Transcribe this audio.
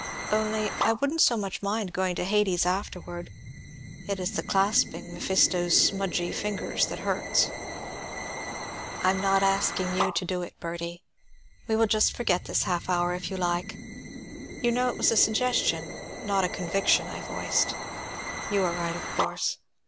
Only, I wouldn't so much mind going to Hades afterward; it is the clasping Mephisto's smudgy fingers that hurts." "I am not asking you to do it, Bertie. We will just forget this half hour, if you like. You know it was a suggestion, not a conviction, I voiced. You are right, of course.